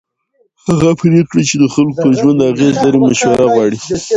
هغه پرېکړې چې د خلکو پر ژوند اغېز لري مشوره غواړي